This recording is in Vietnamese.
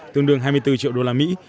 tương đương hai mươi bốn triệu đô la mỹ